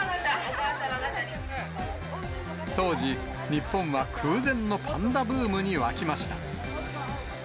当時、日本は空前のパンダブームに沸きました。